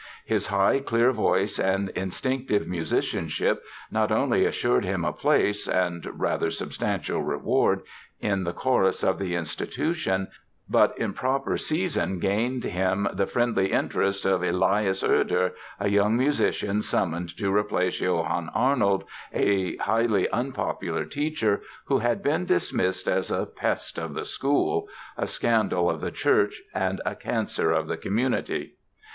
His high, clear voice and instinctive musicianship not only assured him a place (and rather substantial rewards) in the chorus of the institution but in proper season gained him the friendly interest of Elias Herder, a young musician summoned to replace Johann Arnold, a highly unpopular teacher who had been dismissed as a "pest of the school, a scandal of the church and a cancer of the community."